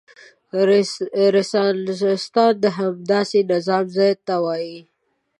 رنسانستان د همداسې نظام ځای ته وايي.